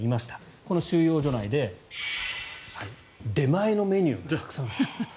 この収容所内で出前のメニューがたくさんある。